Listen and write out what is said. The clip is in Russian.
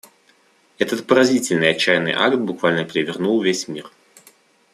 Этот поразительный отчаянный акт буквально перевернул весь мир.